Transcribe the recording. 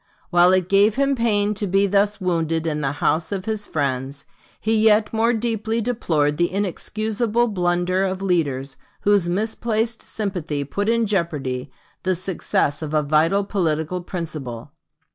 While it gave him pain to be thus wounded in the house of his friends, he yet more deeply deplored the inexcusable blunder of leaders whose misplaced sympathy put in jeopardy the success of a vital political principle.